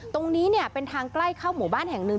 ตรงนี้เนี่ยเป็นทางใกล้เข้าหมู่บ้านแห่งหนึ่ง